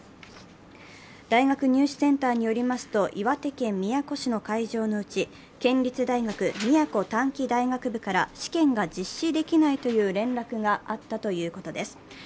大学入試センターによりますと岩手県宮古市の会場のうち、県立大学宮古短期大学部から試験が実施できないという連絡があったということです。